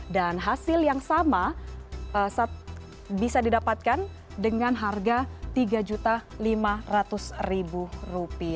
dan hasil yang sama bisa didapatkan dengan harga rp tiga lima ratus